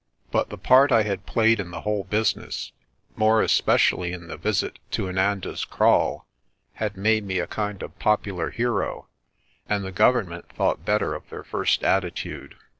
But the part I had played in the whole business, more especially in the visit to Inanda's Kraal, had made me a kind of popular hero, and the Government thought better of their first attitude.